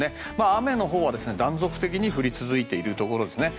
雨は断続的に降り続いているところですね。